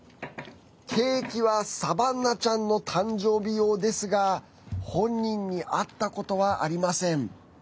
ケーキはサバンナちゃんの誕生日用ですが本人に会ったことはありません。